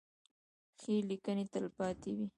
ښې لیکنې تلپاتې وي.